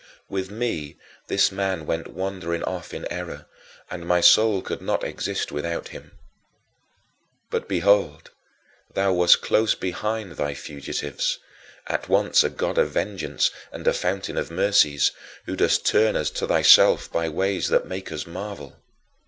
With me this man went wandering off in error and my soul could not exist without him. But behold thou wast close behind thy fugitives at once a God of vengeance and a Fountain of mercies, who dost turn us to thyself by ways that make us marvel.